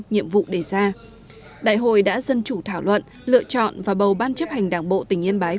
nhiệm vụ đề ra đại hội đã dân chủ thảo luận lựa chọn và bầu ban chấp hành đảng bộ tỉnh yên bái